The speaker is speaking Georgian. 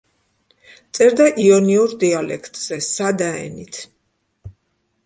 წერდა იონიურ დიალექტზე, სადა ენით.